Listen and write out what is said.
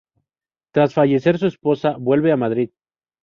Tras fallecer su esposa, vuelve a Madrid.